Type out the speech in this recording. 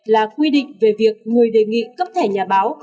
là quy định về việc người đề nghị cấp thẻ nhà báo